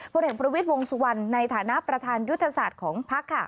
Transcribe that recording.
ผู้แห่งประวิศวงศ์สุวรรณในฐานะประธานยุทธศาสตร์ของภักดิ์ค่ะ